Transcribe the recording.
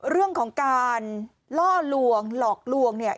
เรื่องของการล่อลวงหลอกลวงเนี่ย